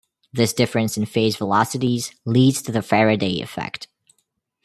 This difference in phase velocities leads to the Faraday effect.